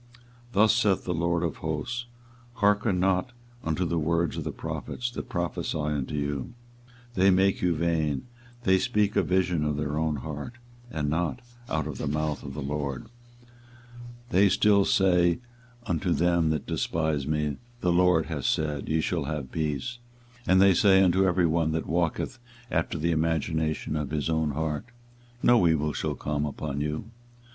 24:023:016 Thus saith the LORD of hosts, Hearken not unto the words of the prophets that prophesy unto you: they make you vain: they speak a vision of their own heart, and not out of the mouth of the LORD. 24:023:017 They say still unto them that despise me, The LORD hath said, Ye shall have peace; and they say unto every one that walketh after the imagination of his own heart, No evil shall come upon you.